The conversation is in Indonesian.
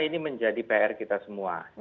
ini menjadi pr kita semua